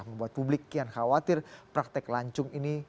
membuat publik kian khawatir praktek lancung ini